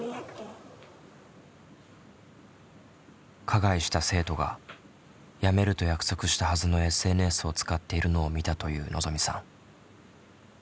加害した生徒がやめると約束したはずのＳＮＳを使っているのを見たというのぞみさん。